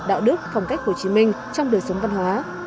đạo đức phong cách hồ chí minh trong đời sống văn hóa